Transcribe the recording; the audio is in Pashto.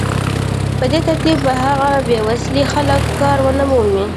په دې ترتیب به هغه بې وسيلې خلک کار ونه مومي